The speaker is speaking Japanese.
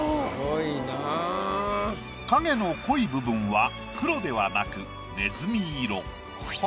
影の濃い部分は黒ではなくねずみ色。